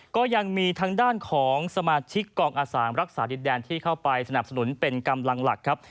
ก็ยังมีทางด้านของสมาชิกกองอาสารักษาดินแดนที่เข้าไปสนับสนุนเป็นกำลังหลักครับ